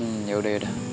hmm yaudah yaudah